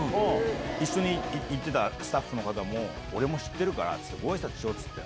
一緒に行ってたスタッフの方も、俺も知ってるからって言って、ごあいさつしようって言って。